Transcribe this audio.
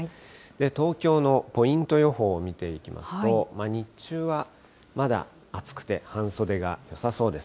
東京のポイント予報を見ていきますと、日中はまだ暑くて半袖がよさそうです。